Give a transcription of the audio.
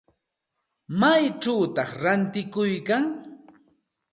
¿Maychawta ratikuykan?